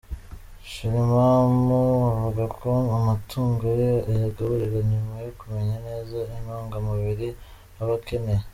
Shirimpumu avuga ko amatungo ye ayagaburira nyuma yo kumenya neza intungamubiri aba akeneye.